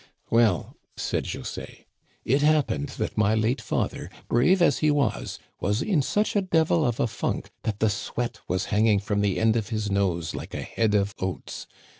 " Well," said José, " it happened that my late father, brave as he was, was in such a devil of a funk that the sweat was hanging from the end of his nose like a head of oats.